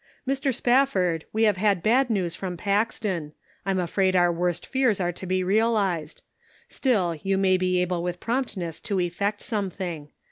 " Mr. Spafford, we have bad news from Pax ton. I'm afraid our worst fears are .to be realized. Still, you may be able with prompt ness to effect something.